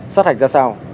sát hạch ra sao